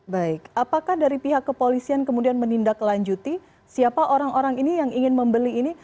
baik apakah dari pihak kepolisian kemudian menindaklanjuti siapa orang orang ini yang ingin membeli ini